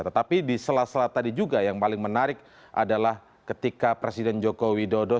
tetapi di sela sela tadi juga yang paling menarik adalah ketika presiden joko widodo